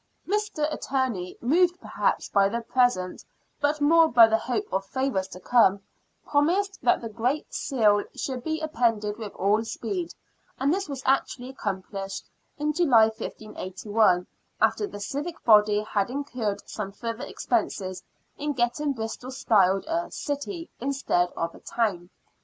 Mr. Attorney, moved perhaps by the present, but more by the hope of favours to come, promised that the great seal should be appended with all speed, and this was actually accomplished in July, 1581, after the civic body had incurred some further expense in getting Bristol styled a " city " instead of a " town."